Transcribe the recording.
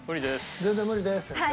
全然無理です先生。